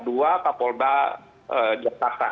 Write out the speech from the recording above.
dua kapolda jataka